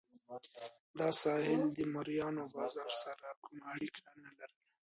دا ساحل د مریانو بازار سره کومه اړیکه نه لرله.